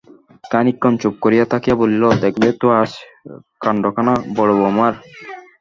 খানিকক্ষণ চুপ করিয়া থাকিয়া বলিল, দেখলে তো আজ কাণ্ডখানা বড়-বৌমার?